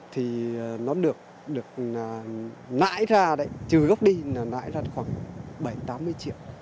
thì nó được nãi ra đấy trừ gốc đi là nãi ra khoảng bảy tám mươi triệu